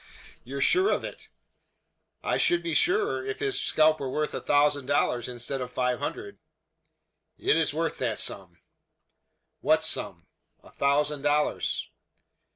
"You are sure of it?" "I should be surer, if his scalp were worth a thousand dollars, instead of five hundred." "It is worth that sum." "What sum?" "A thousand dollars."